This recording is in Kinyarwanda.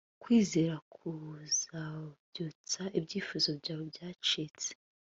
kwizera kuzabyutsa ibyifuzo byawe byacitse